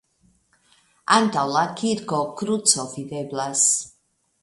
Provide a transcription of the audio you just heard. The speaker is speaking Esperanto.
Antaŭ la kirko kruco videblas.